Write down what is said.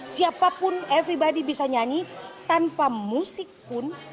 siapapun everybody bisa nyanyi tanpa musik pun